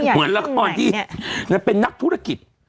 เหมือนละครที่เป็นนักธุรกิจ